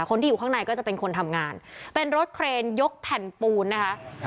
คนที่อยู่ข้างในก็จะเป็นคนทำงานเป็นรถเครนยกแผ่นปูนนะคะ